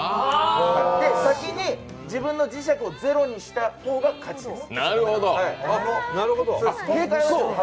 先に自分の磁石をゼロにした方が勝ちです。